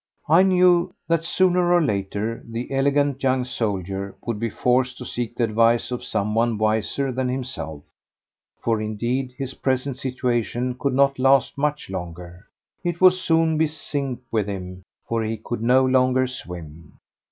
I knew that sooner or later the elegant young soldier would be forced to seek the advice of someone wiser than himself, for indeed his present situation could not last much longer. It would soon be "sink" with him, for he could no longer "swim."